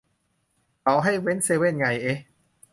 เขาให้เว้นเซเว่นไงเอ๊ะ